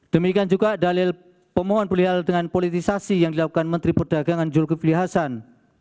demikian juga dalil pemohon beliau dengan politisasi yang dilakukan menteri perdagangan zulkifli hasan